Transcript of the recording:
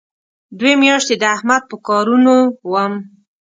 دوې میاشتې د احمد په کارونو وم.